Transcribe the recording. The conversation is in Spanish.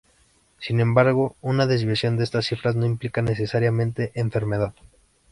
Sin embargo, una desviación de estas cifras no implica necesariamente enfermedad.